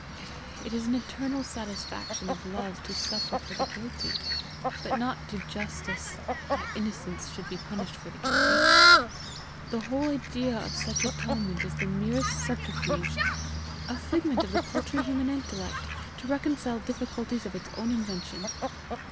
It is an eternal satisfaction to love to suffer for the guilty, but not to justice that innocence should be punished for the guilty. The whole idea of such atonement is the merest subterfuge, a figment of the paltry human intellect to reconcile difficulties of its own invention.